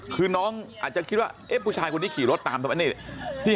คือน้องอาจจะคิดว่าเอ๊ะผู้ชายคนนี้ขี่รถตามทำไมนี่